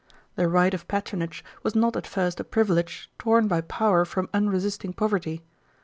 The right of patronage was not at first a privilege torn by power from unresisting poverty.